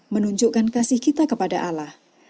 menunjukkan kasih kita kepada allah